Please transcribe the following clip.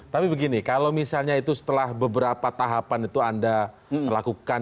tapi begini kalau misalnya itu setelah beberapa tahapan itu anda lakukan